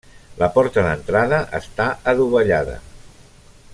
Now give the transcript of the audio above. La porta d'entrada està adovellada.